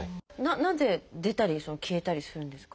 なぜ出たり消えたりするんですか？